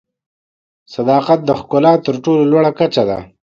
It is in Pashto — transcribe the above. صداقت د ښکلا تر ټولو لوړه کچه ده.